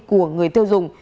của người tiêu dùng